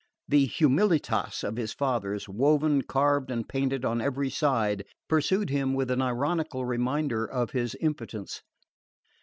The "Humilitas" of his fathers, woven, carved and painted on every side, pursued him with an ironical reminder of his impotence.